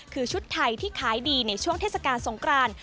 คือชุดไทยที่ขายดีในช่วงเทศกาลสงคราน